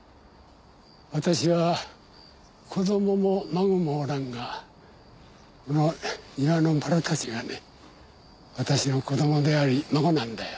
私は子供も孫もおらんがこの庭のバラたちがね私の子供であり孫なんだよ。